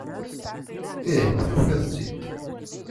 Ih tufiḍ-tt-id.